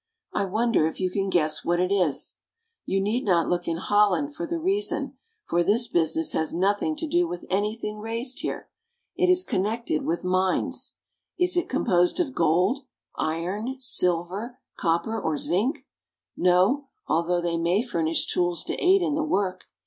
. I wonder if you can guess what it is. You need not look in Holland for the reason, for this business has nothing to do with any thing raised here. It is connected with mines. Is it com posed of gold, iron, silver, copper, or zinc ? No, although they may furnish tools to aid in the work.